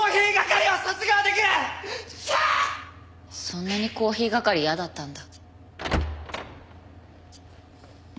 そんなにコーヒー係嫌だったんだ。